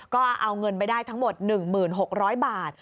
ก็เอาเงินไปได้ทั้งหมด๑๖๐๐บาท